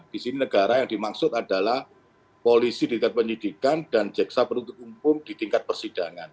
di sini negara yang dimaksud adalah polisi di tingkat penyidikan dan jaksa penuntut umum di tingkat persidangan